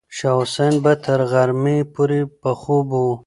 شاه حسین به تر غرمې پورې په خوب و.